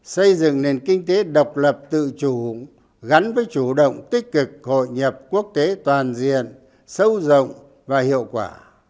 xây dựng nền kinh tế độc lập tự chủ gắn với chủ động tích cực hội nhập quốc tế toàn diện sâu rộng và hiệu quả